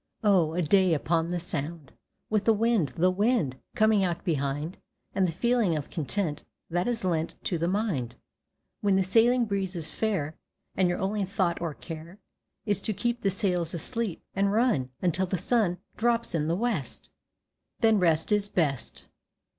Oh, a day upon the Sound, With the wind, the wind, Coming out behind, And the feeling of content That is lent To the mind, When the sailing breeze is fair, And your only thought or care Is to keep The sails asleep, And run, Until the sun Drops in the West Then rest is best.